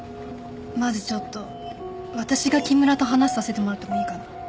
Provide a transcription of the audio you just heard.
まずちょっと私が木村と話させてもらってもいいかな。